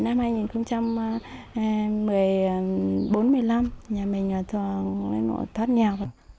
dần dần đến năm hai nghìn một mươi bốn hai nghìn một mươi năm nhà mình thường thất nghèo